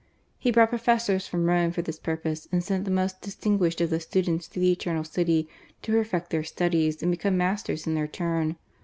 He brought Professors from Rome for this purpose and sent the most dis tinguished of the students to the Eternal City to perfect their studies, and become masters in their turn.